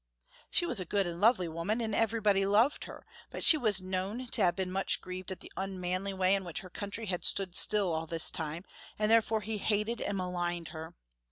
She was a good and lovely woman, and everybody loved her, but she was known to have been much grieved at the un manly way in which her country had stood still all this time, and therefore he hated and maligned her.